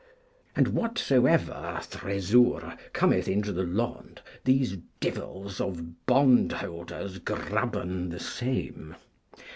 And whatsoever Thresoure cometh into the Lond, these Devyls of Bondholders grabben the same.